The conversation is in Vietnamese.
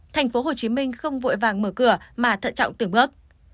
tp hcm không vội vàng mở cửa mà thận trọng từng bước